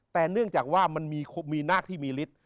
แต่เนื่องจากว่ามันมีนาคที่มีฤทธิ์